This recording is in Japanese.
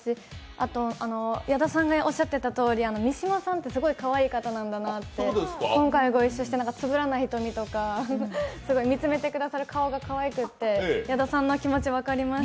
あと矢田さんがおっしゃってたとおり三島さんってすごいかわいい方なんだなって今回ご一緒して、つぶらな瞳とか、見つめてくださる顔がかわいくて矢田さんの気持ち分かりました。